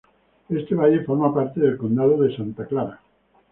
Este valle forma gran parte del Condado de Santa Clara.